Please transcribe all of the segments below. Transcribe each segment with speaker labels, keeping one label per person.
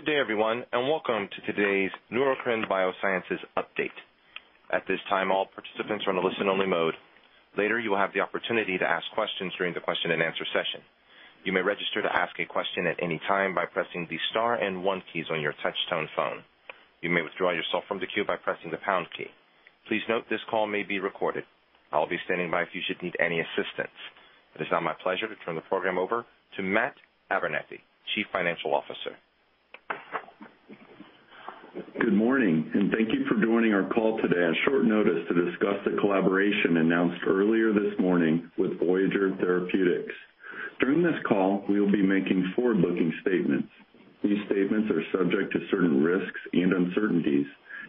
Speaker 1: Good day, everyone. Welcome to today's Neurocrine Biosciences update. At this time, all participants are on a listen-only mode. Later, you will have the opportunity to ask questions during the question-and-answer session. You may register to ask a question at any time by pressing the star and one keys on your touch-tone phone. You may withdraw yourself from the queue by pressing the pound key. Please note this call may be recorded. I'll be standing by if you should need any assistance. It is now my pleasure to turn the program over to Matt Abernethy, Chief Financial Officer.
Speaker 2: Good morning. Thank you for joining our call today at short notice to discuss the collaboration announced earlier this morning with Voyager Therapeutics. During this call, we will be making forward-looking statements. These statements are subject to certain risks and uncertainties,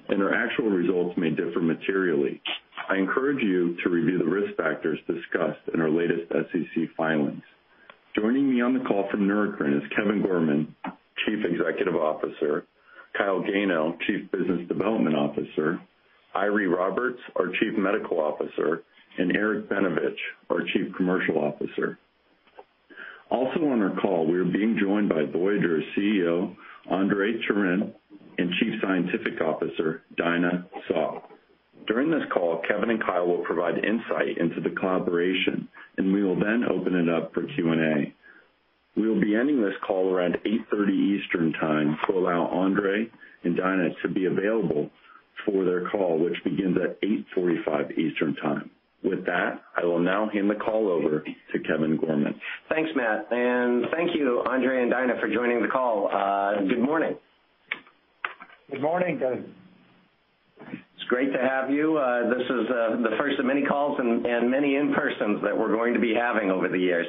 Speaker 2: and our actual results may differ materially. I encourage you to review the risk factors discussed in our latest SEC filings. Joining me on the call from Neurocrine is Kevin Gorman, Chief Executive Officer; Kyle Gano, Chief Business Development Officer; Eiry Roberts, our Chief Medical Officer; and Eric Benevich, our Chief Commercial Officer. Also on our call, we are being joined by Voyager's CEO, Andre Turenne, and Chief Scientific Officer, Dinah Saw. During this call, Kevin and Kyle will provide insight into the collaboration, and we will then open it up for Q&A. We will be ending this call around 8:30 A.M. Eastern Time to allow Andre and Dinah to be available for their call, which begins at 8:45 A.M. Eastern Time. I will now hand the call over to Kevin Gorman.
Speaker 3: Thanks, Matt, and thank you, Andre and Dinah, for joining the call. Good morning.
Speaker 4: Good morning.
Speaker 3: It's great to have you. This is the first of many calls and many in-persons that we're going to be having over the years.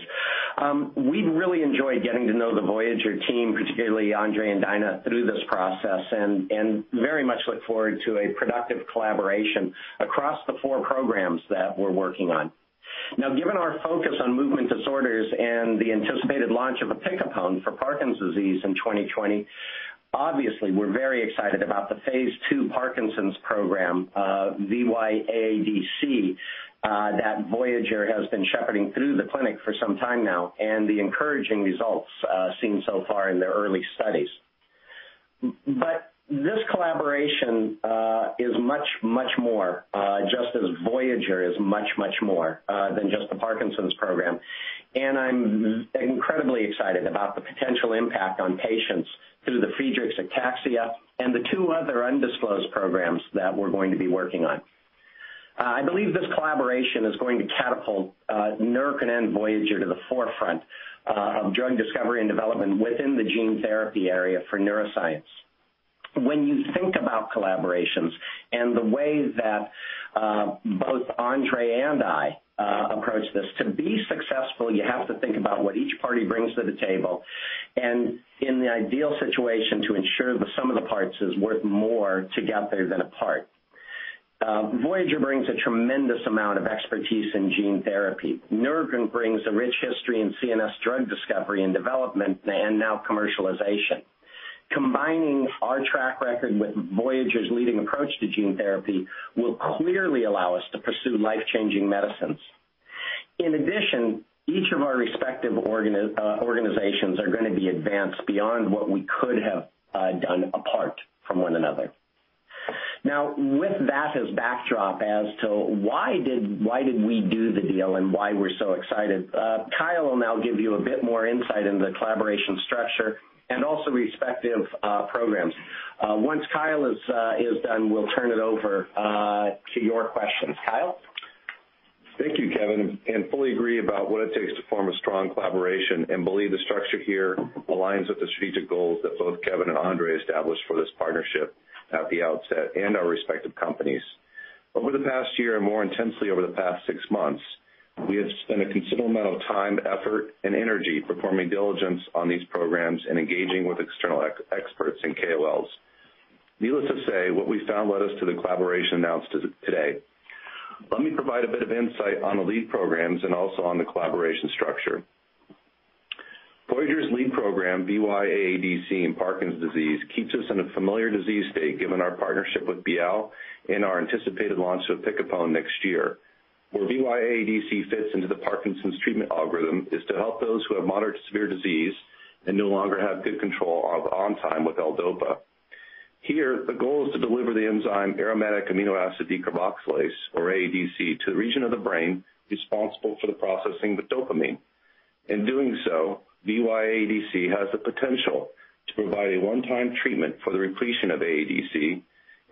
Speaker 3: We've really enjoyed getting to know the Voyager team, particularly Andre and Dinah, through this process, and very much look forward to a productive collaboration across the four programs that we're working on. Given our focus on movement disorders and the anticipated launch of opicapone for Parkinson's disease in 2020, obviously, we're very excited about the phase II Parkinson's program, VY-AADC, that Voyager has been shepherding through the clinic for some time now, and the encouraging results seen so far in their early studies. This collaboration is much, much more, just as Voyager is much, much more than just the Parkinson's program. I'm incredibly excited about the potential impact on patients through the Friedreich's ataxia and the two other undisclosed programs that we're going to be working on. I believe this collaboration is going to catapult Neurocrine and Voyager to the forefront of drug discovery and development within the gene therapy area for neuroscience. When you think about collaborations and the way that both Andre and I approach this, to be successful, you have to think about what each party brings to the table and, in the ideal situation, to ensure the sum of the parts is worth more together than apart. Voyager brings a tremendous amount of expertise in gene therapy. Neurocrine brings a rich history in CNS drug discovery and development and now commercialization. Combining our track record with Voyager's leading approach to gene therapy will clearly allow us to pursue life-changing medicines. In addition, each of our respective organizations are going to be advanced beyond what we could have done apart from one another. With that as a backdrop as to why did we do the deal and why we're so excited, Kyle will now give you a bit more insight into the collaboration structure and also respective programs. Once Kyle is done, we'll turn it over to your questions. Kyle?
Speaker 5: Thank you, Kevin, and fully agree about what it takes to form a strong collaboration and believe the structure here aligns with the strategic goals that both Kevin and Andre established for this partnership at the outset and our respective companies. Over the past year and more intensely over the past six months, we have spent a considerable amount of time, effort, and energy performing diligence on these programs and engaging with external experts and KOLs. Needless to say, what we found led us to the collaboration announced today. Let me provide a bit of insight on the lead programs and also on the collaboration structure. Voyager's lead program, VY-AADC, in Parkinson's disease keeps us in a familiar disease state given our partnership with Bial and our anticipated launch of opicapone next year. Where VY-AADC fits into the Parkinson's disease treatment algorithm is to help those who have moderate to severe disease and no longer have good control of on time with L-DOPA. Here, the goal is to deliver the enzyme aromatic amino acid decarboxylase, or AADC, to the region of the brain responsible for the processing of the dopamine. In doing so, VY-AADC has the potential to provide a one-time treatment for the repletion of AADC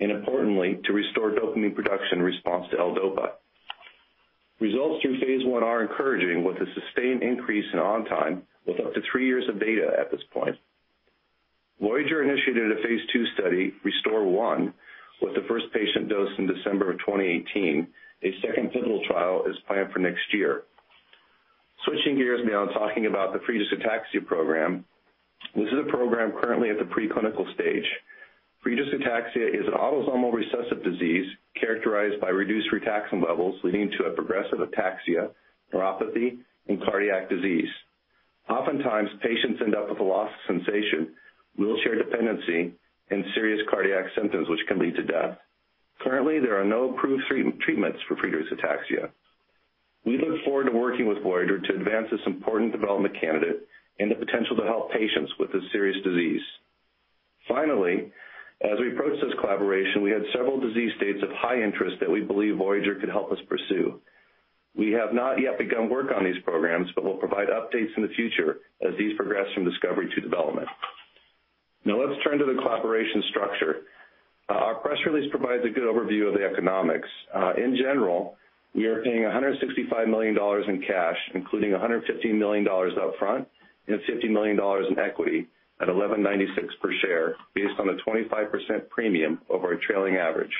Speaker 5: and, importantly, to restore dopamine production in response to L-DOPA. Results through phase I are encouraging with a sustained increase in on time with up to three years of data at this point. Voyager initiated a phase II study, RESTORE-1, with the first patient dose in December 2018. A second pivotal trial is planned for next year. Switching gears now, talking about the Friedreich's Ataxia program. This is a program currently at the preclinical stage. Friedreich's ataxia is an autosomal recessive disease characterized by reduced frataxin levels, leading to a progressive Ataxia, neuropathy, and cardiac disease. Oftentimes, patients end up with a loss of sensation, wheelchair dependency, and serious cardiac symptoms, which can lead to death. Currently, there are no approved treatments for Friedreich's ataxia. We look forward to working with Voyager to advance this important development candidate and the potential to help patients with this serious disease. Finally, as we approached this collaboration, we had several disease states of high interest that we believe Voyager could help us pursue. We have not yet begun work on these programs, but we'll provide updates in the future as these progress from discovery to development. Now let's turn to the collaboration structure. Our press release provides a good overview of the economics. In general, we are paying $165 million in cash, including $115 million up front and $50 million in equity at $11.96 per share based on a 25% premium over a trailing average.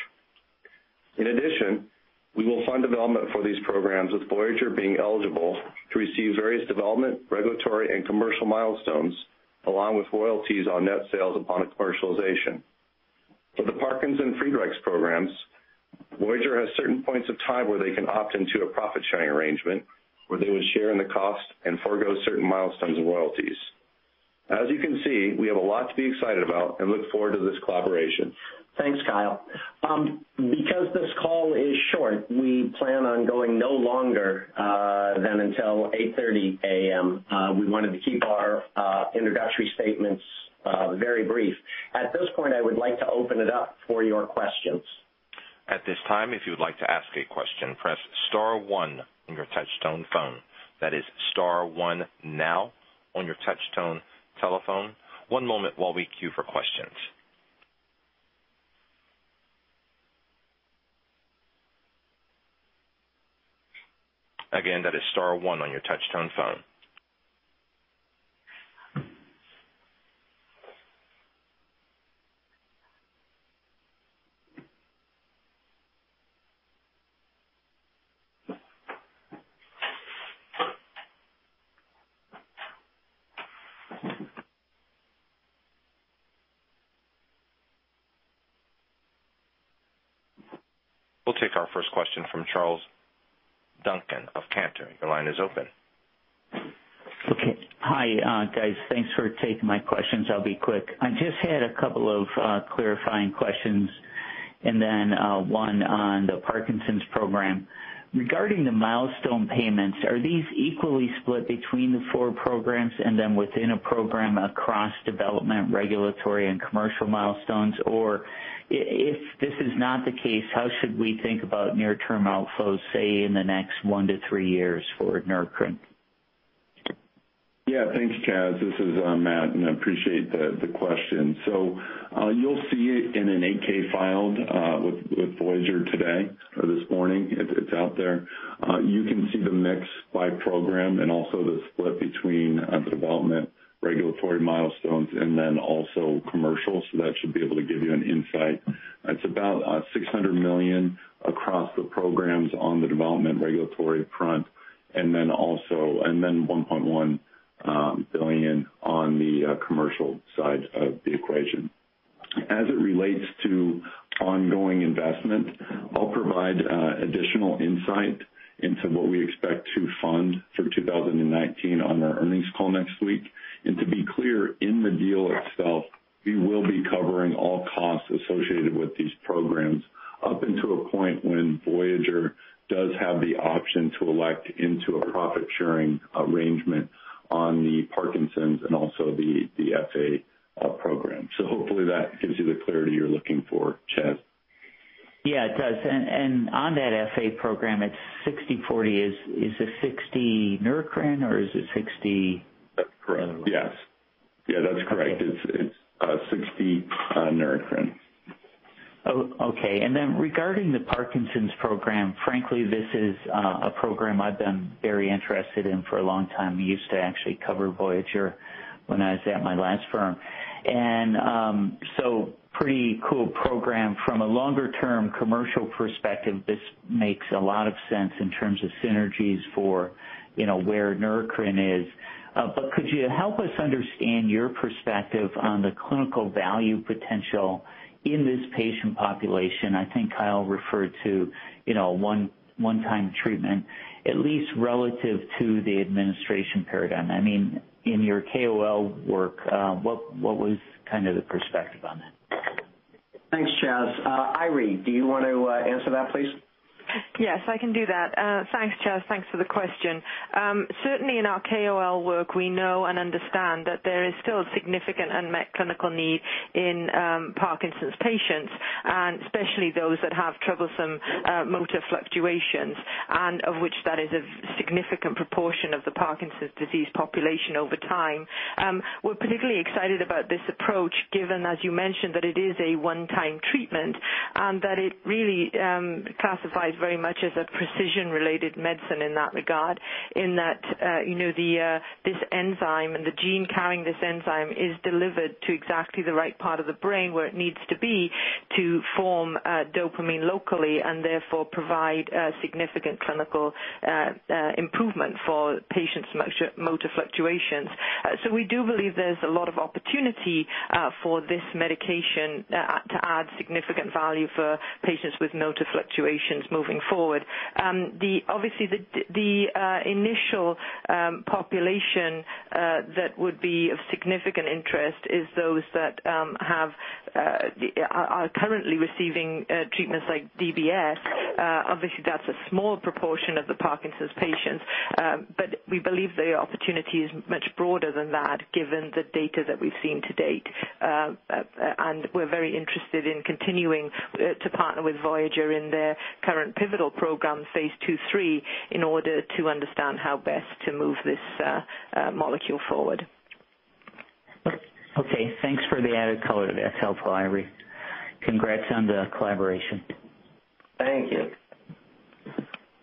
Speaker 5: In addition, we will fund development for these programs, with Voyager being eligible to receive various development, regulatory, and commercial milestones, along with royalties on net sales upon commercialization. For the Parkinson's disease and Friedreich's ataxia programs, Voyager has certain points of time where they can opt into a profit-sharing arrangement where they would share in the cost and forego certain milestones and royalties. As you can see, we have a lot to be excited about and look forward to this collaboration.
Speaker 3: Thanks, Kyle. Because this call is short, we plan on going no longer than until 8:30 A.M. We wanted to keep our introductory statements very brief. At this point, I would like to open it up for your questions.
Speaker 1: At this time, if you would like to ask a question, press star one on your touchtone phone. That is star one now on your touchtone telephone. One moment while we queue for questions. Again, that is star one on your touchtone phone. We'll take our first question from Charles Duncan of Cantor Fitzgerald. Your line is open.
Speaker 6: Hi, guys. Thanks for taking my questions. I'll be quick. I just had a couple of clarifying questions and then one on the Parkinson's program. Regarding the milestone payments, are these equally split between the four programs and then within a program across development, regulatory, and commercial milestones? If this is not the case, how should we think about near-term outflows, say, in the next one to three years for Neurocrine?
Speaker 2: Thanks, Charles. This is Matt, I appreciate the question. You'll see it in an 8-K filed with Voyager today or this morning. It's out there. You can see the mix by program and also the split between development, regulatory milestones, and then also commercial. That should be able to give you an insight. It's about $600 million across the programs on the development regulatory front and then $1.1 billion on the commercial side of the equation. As it relates to ongoing investment, I'll provide additional insight into what we expect to fund for 2019 on our earnings call next week. To be clear, in the deal itself, we will be covering all costs associated with these programs up until a point when Voyager does have the option to elect into a profit-sharing arrangement on the Parkinson's and also the Friedreich's Ataxia program. Hopefully, that gives you the clarity you're looking for, Charles.
Speaker 6: Yeah, it does. On that Friedreich's Ataxia program, it is 60/40. Is the 60 Neurocrine, or is it 60-
Speaker 2: That is correct. Yes. Yeah, that is correct. It is 60 Neurocrine.
Speaker 6: Regarding the Parkinson's program, frankly, this is a program I have been very interested in for a long time. I used to actually cover Voyager when I was at my last firm. Pretty cool program. From a longer-term commercial perspective, this makes a lot of sense in terms of synergies for where Neurocrine is. Could you help us understand your perspective on the clinical value potential in this patient population? I think Kyle referred to one-time treatment, at least relative to the administration paradigm. In your KOL work, what was the perspective on that?
Speaker 3: Thanks, Charles. Eiry, do you want to answer that, please?
Speaker 7: Yes, I can do that. Thanks, Charles. Thanks for the question. Certainly, in our KOL work, we know and understand that there is still a significant unmet clinical need in Parkinson's patients, especially those that have troublesome motor fluctuations. Which that is a significant proportion of the Parkinson's disease population over time. We're particularly excited about this approach, given, as you mentioned, that it is a one-time treatment and that it really classifies very much as a precision-related medicine in that regard, in that this enzyme and the gene carrying this enzyme is delivered to exactly the right part of the brain where it needs to be to form dopamine locally and therefore provide significant clinical improvement for patients' motor fluctuations. We do believe there's a lot of opportunity for this medication to add significant value for patients with motor fluctuations moving forward. Obviously, the initial population that would be of significant interest is those that are currently receiving treatments like Deep Brain Stimulation. Obviously, that's a small proportion of the Parkinson's patients. We believe the opportunity is much broader than that given the data that we've seen to date. We're very interested in continuing to partner with Voyager in their current pivotal program, phase II-3, in order to understand how best to move this molecule forward.
Speaker 6: Okay. Thanks for the added color. That's helpful, Eiry. Congrats on the collaboration.
Speaker 3: Thank you.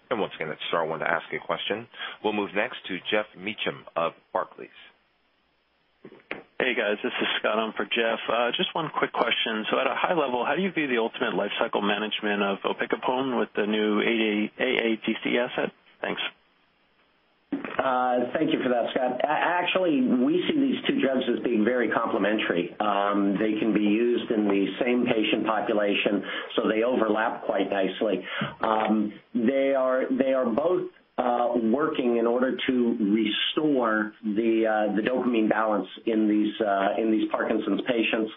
Speaker 1: Once again, that's Star One asking a question. We'll move next to Geoff Meacham of Barclays.
Speaker 8: Hey, guys. This is Scott on for Jeff. Just one quick question. At a high level, how do you view the ultimate lifecycle management of opicapone with the new AADC asset? Thanks.
Speaker 3: Thank you for that, Scott. Actually, we see these two drugs as being very complementary. They can be used in the same patient population, so they overlap quite nicely. They are both working in order to restore the dopamine balance in these Parkinson's patients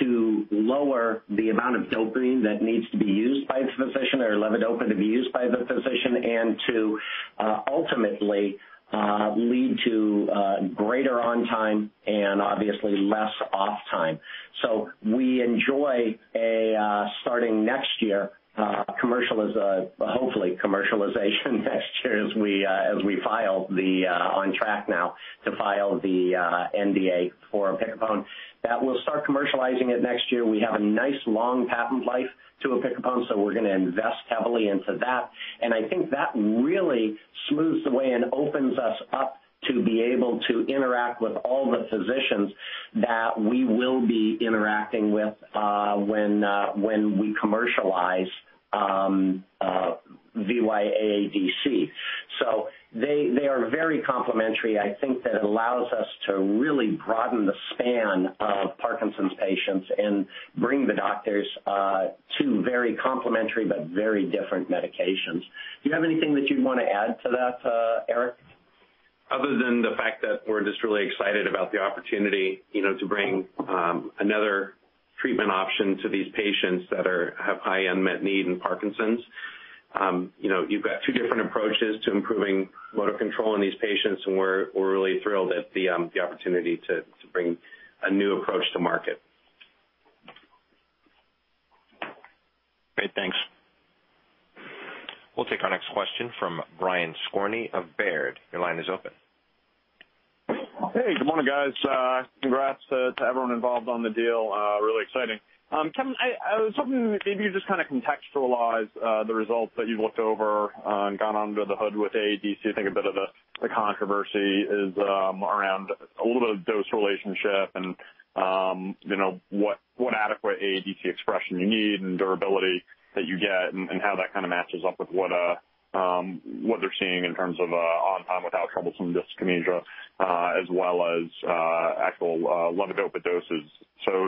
Speaker 3: to lower the amount of dopamine that needs to be used by the physician, or levodopa to be used by the physician, and to ultimately lead to greater on-time and obviously less off-time. We enjoy, starting next year, hopefully commercialization next year as we are on track now to file the NDA for opicapone. That we'll start commercializing it next year. We have a nice long patent life to opicapone, so we're going to invest heavily into that. I think that really smooths the way and opens us up to be able to interact with all the physicians that we will be interacting with when we commercialize VY-AADC. They are very complementary. I think that it allows us to really broaden the span of Parkinson's patients and bring the doctors two very complementary but very different medications. Do you have anything that you'd want to add to that, Eric?
Speaker 9: Other than the fact that we're just really excited about the opportunity to bring another treatment option to these patients that have high unmet need in Parkinson's. You've got two different approaches to improving motor control in these patients, we're really thrilled at the opportunity to bring a new approach to market.
Speaker 8: Great. Thanks.
Speaker 1: We'll take our next question from Brian Skorney of Baird. Your line is open.
Speaker 10: Hey, good morning, guys. Congrats to everyone involved on the deal. Really exciting. Kevin, I was hoping maybe you just contextualize the results that you've looked over and gone under the hood with AADC. I think a bit of the controversy is around a little bit of dose relationship and what adequate AADC expression you need, and the durability that you get, and how that kind of matches up with what they're seeing in terms of on time without troublesome dyskinesia, as well as actual levodopa doses.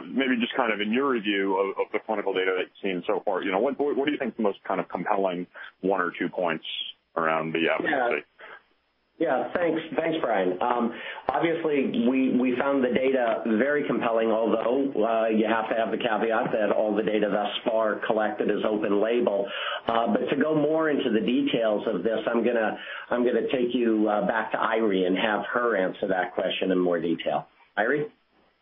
Speaker 10: Maybe just in your review of the clinical data that you've seen so far, what do you think is the most compelling one or two points around the efficacy?
Speaker 3: Yeah. Thanks, Brian. Obviously, we found the data very compelling, although you have to have the caveat that all the data thus far collected is open label. To go more into the details of this, I'm going to take you back to Eiry and have her answer that question in more detail. Eiry?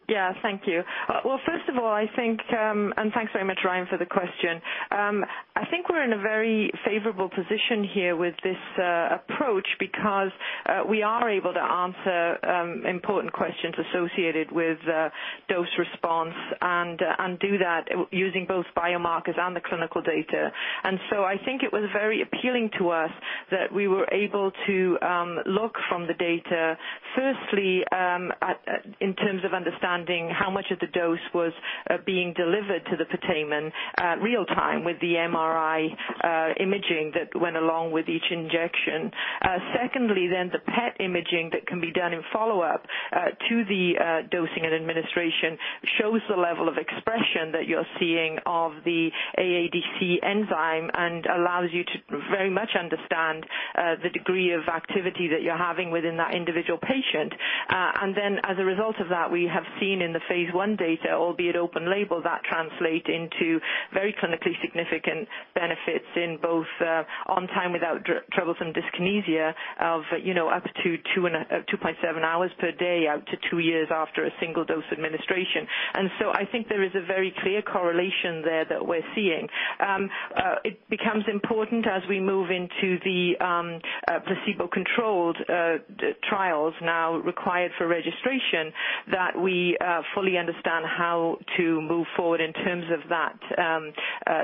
Speaker 7: Yeah. Thank you. Well, first of all, I think, thanks very much, Brian, for the question. I think we're in a very favorable position here with this approach because we are able to answer important questions associated with dose response and do that using both biomarkers and the clinical data. I think it was very appealing to us that we were able to look from the data, firstly, in terms of understanding how much of the dose was being delivered to the putamen real time with the MRI imaging that went along with each injection. Secondly, the PET imaging that can be done in follow-up to the dosing and administration shows the level of expression that you're seeing of the AADC enzyme and allows you to very much understand the degree of activity that you're having within that individual patient. As a result of that, we have seen in the phase I data, albeit open label, that translates into very clinically significant benefits in both on time without troublesome dyskinesia of up to 2.7 hours per day out to two years after a single dose administration. I think there is a very clear correlation there that we're seeing. It becomes important as we move into the placebo-controlled trials now required for registration that we fully understand how to move forward in terms of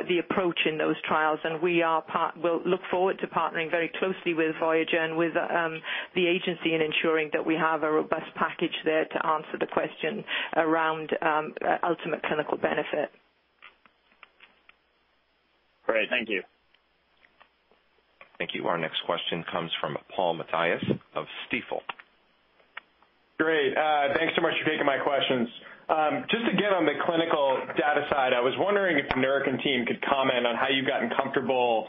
Speaker 7: the approach in those trials. We'll look forward to partnering very closely with Voyager and with the agency in ensuring that we have a robust package there to answer the question around ultimate clinical benefit.
Speaker 10: Great. Thank you.
Speaker 1: Thank you. Our next question comes from Paul Matteis of Stifel.
Speaker 11: Great. Thanks so much for taking my questions. Just again, on the clinical data side, I was wondering if the Neurocrine team could comment on how you've gotten comfortable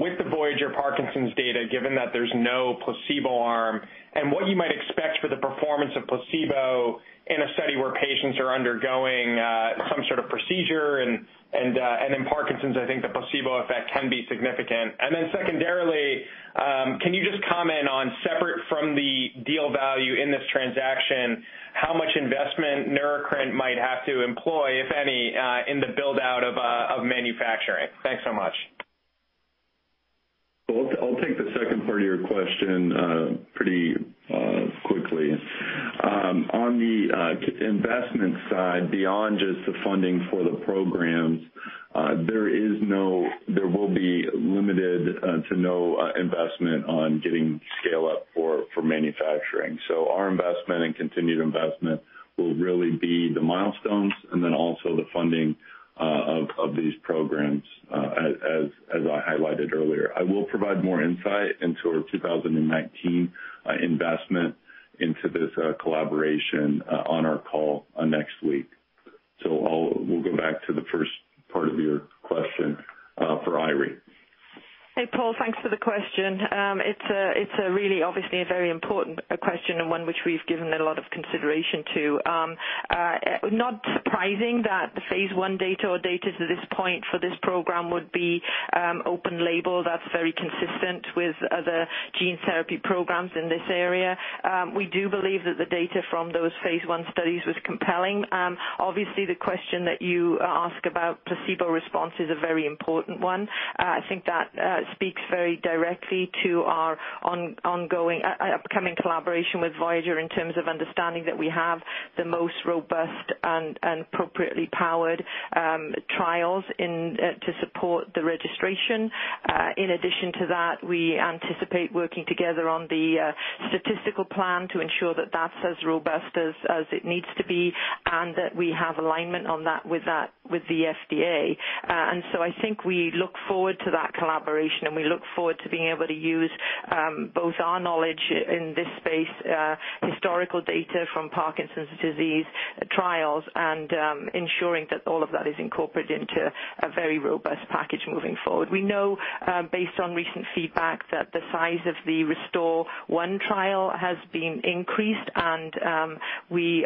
Speaker 11: with the Voyager Parkinson's data, given that there's no placebo arm, and what you might expect for the performance of placebo in a study where patients are undergoing some sort of procedure. In Parkinson's, I think the placebo effect can be significant. Secondarily, can you just comment on separate from the deal value in this transaction, how much investment Neurocrine might have to employ, if any, in the build-out of manufacturing? Thanks so much.
Speaker 3: Second part of your question pretty quickly. On the investment side, beyond just the funding for the programs, there will be limited to no investment on getting scale-up for manufacturing. Our investment and continued investment will really be the milestones and then also the funding of these programs, as I highlighted earlier. I will provide more insight into our 2019 investment into this collaboration on our call next week. We'll go back to the first part of your question for Eiry.
Speaker 7: Hey, Paul. Thanks for the question. It's really obviously a very important question and one which we've given a lot of consideration to. Not surprising that the phase I data or data to this point for this program would be open label. That's very consistent with other gene therapy programs in this area. We do believe that the data from those phase I studies was compelling. Obviously, the question that you ask about placebo response is a very important one. I think that speaks very directly to our upcoming collaboration with Voyager Therapeutics in terms of understanding that we have the most robust and appropriately powered trials to support the registration. In addition to that, we anticipate working together on the statistical plan to ensure that that's as robust as it needs to be and that we have alignment on that with the FDA. I think we look forward to that collaboration, and we look forward to being able to use both our knowledge in this space, historical data from Parkinson's disease trials, and ensuring that all of that is incorporated into a very robust package moving forward. We know, based on recent feedback, that the size of the RESTORE-1 trial has been increased, and we'll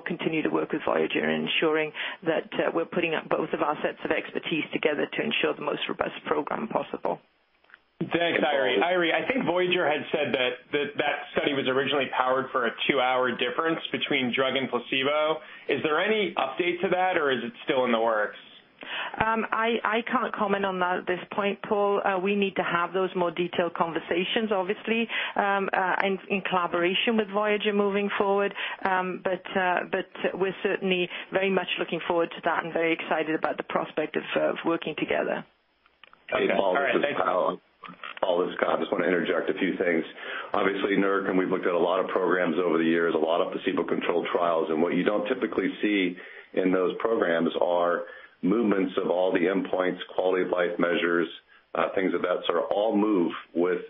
Speaker 7: continue to work with Voyager Therapeutics in ensuring that we're putting up both of our sets of expertise together to ensure the most robust program possible.
Speaker 11: Thanks, Eiry. Eiry, I think Voyager Therapeutics had said that study was originally powered for a two-hour difference between drug and placebo. Is there any update to that or is it still in the works?
Speaker 7: I can't comment on that at this point, Paul. We need to have those more detailed conversations, obviously, in collaboration with Voyager Therapeutics moving forward. We're certainly very much looking forward to that and very excited about the prospect of working together.
Speaker 11: Okay. All right. Thank you.
Speaker 5: Paul, this is Kyle. I just want to interject a few things. Obviously, at Neurocrine Biosciences, we've looked at a lot of programs over the years, a lot of placebo-controlled trials. What you don't typically see in those programs are movements of all the endpoints, quality of life measures, things of that sort, all move with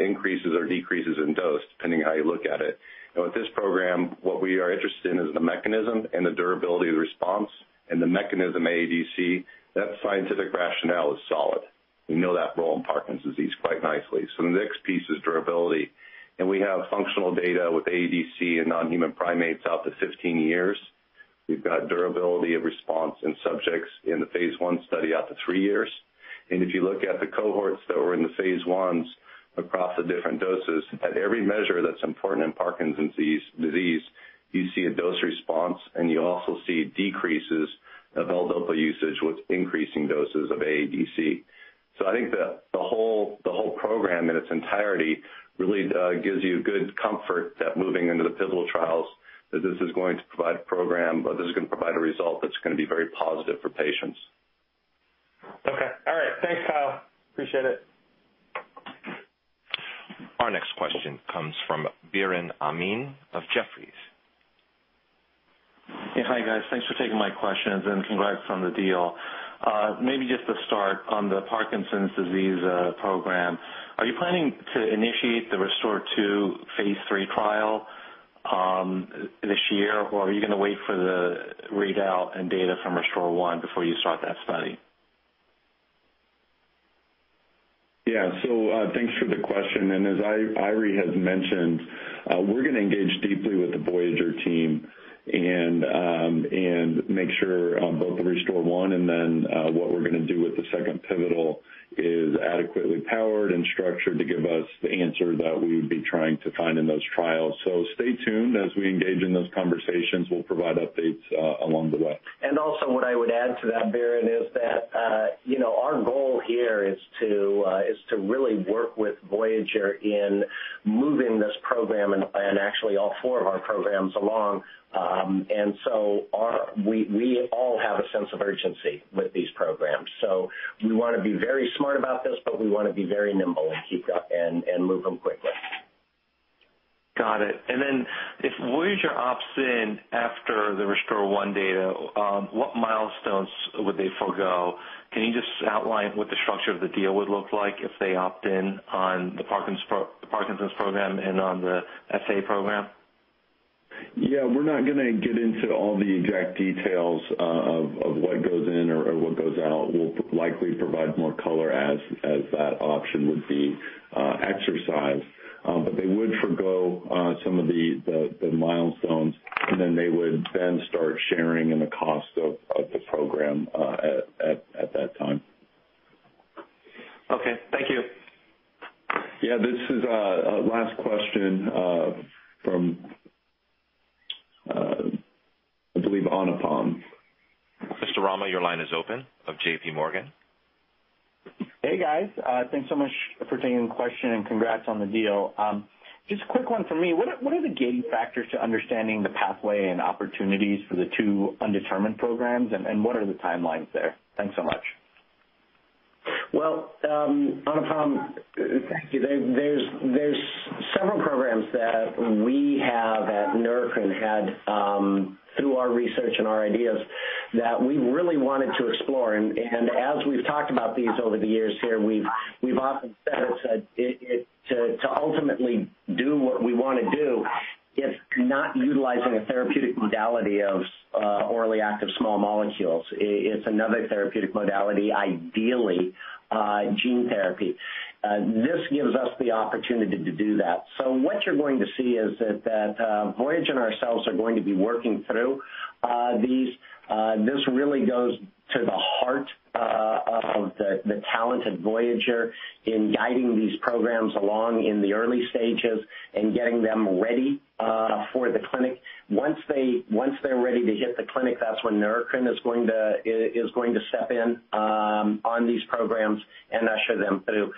Speaker 5: increases or decreases in dose, depending on how you look at it. With this program, what we are interested in is the mechanism and the durability of the response and the mechanism AADC, that scientific rationale is solid. We know that role in Parkinson's disease quite nicely. The next piece is durability. We have functional data with AADC in non-human primates out to 15 years. We've got durability of response in subjects in the phase I study out to 3 years. If you look at the cohorts that were in the phase Is across the different doses, at every measure that's important in Parkinson's disease, you see a dose response, and you also see decreases of L-DOPA usage with increasing doses of AADC. I think the whole program in its entirety really gives you good comfort that moving into the pivotal trials, that this is going to provide a result that's going to be very positive for patients.
Speaker 11: Okay. All right. Thanks, Kyle. Appreciate it.
Speaker 1: Our next question comes from Biren Amin of Jefferies.
Speaker 12: Yeah. Hi, guys. Thanks for taking my questions and congrats on the deal. Maybe just to start on the Parkinson's disease program. Are you planning to initiate the RESTORE-2 phase III trial this year, or are you going to wait for the readout and data from RESTORE-1 before you start that study?
Speaker 5: Yeah. Thanks for the question. As Eiry has mentioned, we're going to engage deeply with the Voyager team and make sure on both the RESTORE-1 and then what we're going to do with the second pivotal is adequately powered and structured to give us the answer that we would be trying to find in those trials. Stay tuned as we engage in those conversations. We'll provide updates along the way.
Speaker 3: Also, what I would add to that, Biren, is that our goal here is to really work with Voyager in moving this program and actually all four of our programs along. We all have a sense of urgency with these programs. We want to be very smart about this, but we want to be very nimble and keep up and move them quickly.
Speaker 12: Got it. Then if Voyager opts in after the RESTORE-1 data, what milestones would they forego? Can you just outline what the structure of the deal would look like if they opt in on the Parkinson's program and on the Friedreich's Ataxia program?
Speaker 5: Yeah, we're not going to get into all the exact details of what goes in or what goes out. We'll likely provide more color as that option would be exercised. They would forego some of the milestones, and then they would then start sharing in the cost of the program at that time.
Speaker 12: Okay. Thank you.
Speaker 2: Yeah, this is our last question from
Speaker 3: Anupam.
Speaker 1: Mr. Rama, your line is open of JPMorgan.
Speaker 13: Hey, guys. Thanks so much for taking the question, and congrats on the deal. Just a quick one for me. What are the gating factors to understanding the pathway and opportunities for the two undetermined programs, and what are the timelines there? Thanks so much.
Speaker 3: Well, Anupam, thank you. There's several programs that we have at Neurocrine had through our research and our ideas that we really wanted to explore. As we've talked about these over the years here, we've often said to ultimately do what we want to do is not utilizing a therapeutic modality of orally active small molecules. It's another therapeutic modality, ideally gene therapy. This gives us the opportunity to do that. What you're going to see is that Voyager and ourselves are going to be working through these. This really goes to the heart of the talent of Voyager in guiding these programs along in the early stages and getting them ready for the clinic. Once they're ready to hit the clinic, that's when Neurocrine is going to step in on these programs and usher them through.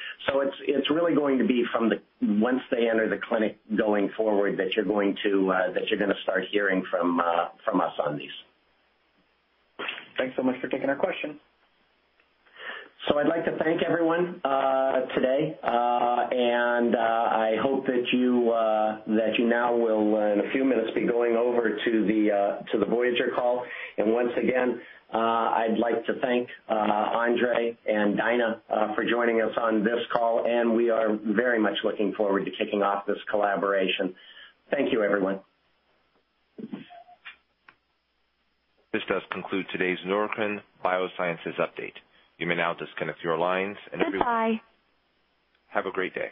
Speaker 3: It's really going to be from once they enter the clinic going forward that you're going to start hearing from us on these.
Speaker 13: Thanks so much for taking our question.
Speaker 3: I'd like to thank everyone today, and I hope that you now will, in a few minutes, be going over to the Voyager call. Once again, I'd like to thank Andre and Dinah for joining us on this call, and we are very much looking forward to kicking off this collaboration. Thank you, everyone.
Speaker 1: This does conclude today's Neurocrine Biosciences update. You may now disconnect your lines. Goodbye. Have a great day.